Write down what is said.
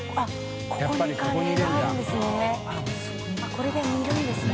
これで煮るんですね。